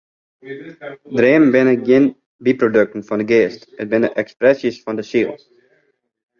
Dreamen binne gjin byprodukten fan de geast, it binne ekspresjes fan de siel.